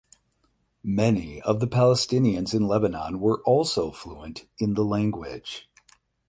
Many of the Palestinians in Lebanon were also fluent in the language.